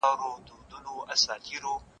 زړه مې نازک شوی